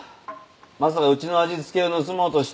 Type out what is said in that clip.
まさかうちの味付けを盗もうとして。